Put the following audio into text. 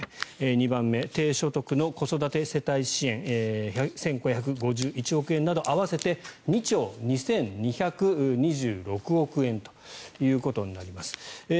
２番目、低所得の子育て世帯支援１５５１億円など合わせて２兆２２２６億円ということになります。